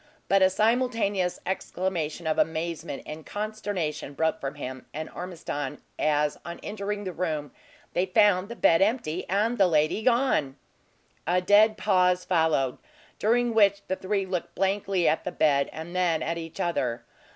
But a simultaneous exclamation of amazement and consternation broke from him and Ormiston, as on entering the room they found the bed empty, and the lady gone! A dead pause followed, during which the three looked blankly at the bed, and then at each other.